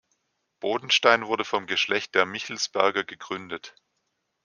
Bodenstein wurde vom Geschlecht der Michelsberger gegründet.